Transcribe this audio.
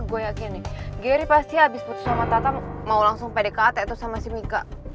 gue yakin nih gary pasti abis putus sama tata mau langsung pdkt sama si mika